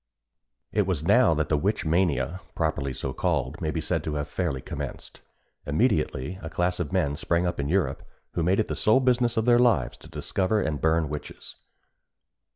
It was now that the Witch Mania, properly so called, may be said to have fairly commenced. Immediately a class of men sprang up in Europe, who made it the sole business of their lives to discover and burn the witches.